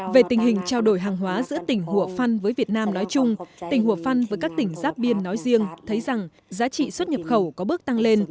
về tình hình trao đổi hàng hóa giữa tỉnh hủa phăn với việt nam nói chung tỉnh hùa phân với các tỉnh giáp biên nói riêng thấy rằng giá trị xuất nhập khẩu có bước tăng lên